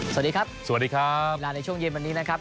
สวัสดีครับสวัสดีครับเวลาในช่วงเย็นวันนี้นะครับ